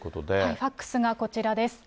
ファックスがこちらです。